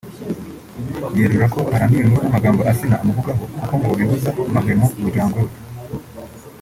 yerura ko ‘arambiwe inkuru n’amagambo Asinah amuvugaho kuko ngo bibuza amahwemo umuryango we’